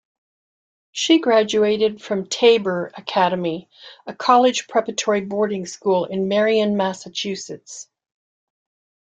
She graduated from Tabor Academy, a college-preparatory boarding school in Marion, Massachusetts.